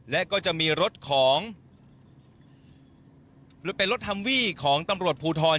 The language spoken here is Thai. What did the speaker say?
และก็จะมีรถของหรือเป็นรถฮัมวี่ของตำรวจภูทร